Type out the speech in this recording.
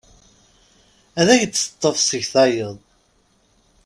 Ad ak-d-teṭṭef seg tayeḍ.